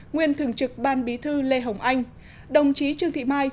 nguyên thường trực ban bí thư lê hồng anh đồng chí trương thị mai